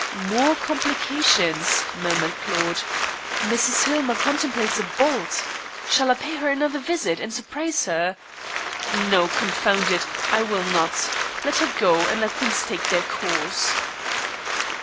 "More complications," murmured Claude. "Mrs. Hillmer contemplates a bolt. Shall I pay her another visit and surprise her? No, confound it, I will not. Let her go, and let things take their course."